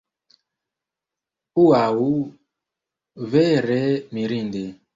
Ŭaŭ, vere mirinde!